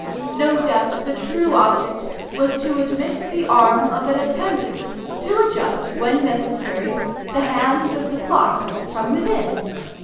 No doubt the true object was to admit the arm of an attendant, to adjust, when necessary, the hands of the clock from within.